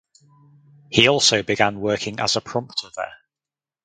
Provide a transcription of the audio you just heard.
He also began working as prompter there.